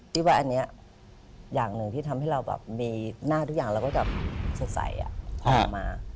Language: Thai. คิดว่าอันนี้อย่างหนึ่งที่ทำให้เราแบบมีหน้าทุกอย่างเราก็จะสดใสพอออกมา